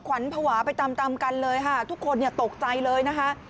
ขวัญผวาไปตามกันเลยทุกคนตกใจเลย